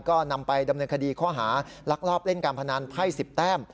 ก็นำไปดำเนินคดีข้อหาลักลอบเล่นการพนันไพ่๑๐แต้ม